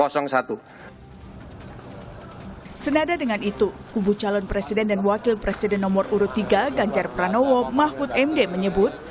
senada dengan itu kubu calon presiden dan wakil presiden nomor urut tiga ganjar pranowo mahfud md menyebut